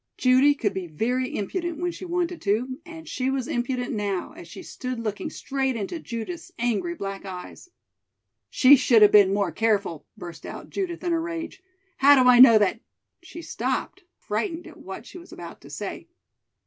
Judy could be very impudent when she wanted to, and she was impudent now, as she stood looking straight into Judith's angry black eyes. "She should have been more careful," burst out Judith in a rage. "How do I know that " she stopped, frightened at what she was about to say.